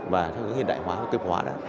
và hướng hiện đại hóa và cơ khí hóa